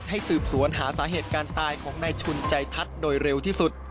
ให้สืบสวนหาสาเหตุการณ์ตายของนายชุนใจทัศน์โดยเร็วที่สุด